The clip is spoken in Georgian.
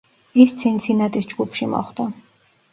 ის ცინცინატის ჯგუფში მოხვდა.